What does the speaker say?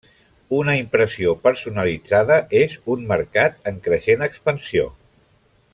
Una impressió personalitzada és un mercat en creixent expansió.